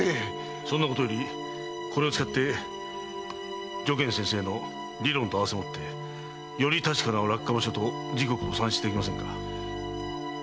そんなことよりこれを使って如見先生の理論と併せもってより確かな落下場所と時刻を算出できませんか？